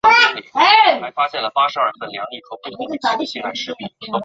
其子阮文馨为越南国军将领。